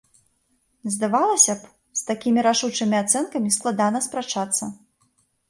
Здавалася б, з такімі рашучымі ацэнкамі складана спрачацца.